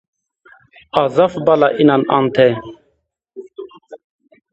A zaf bala înan ante